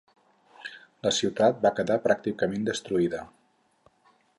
La ciutat va quedar pràcticament destruïda.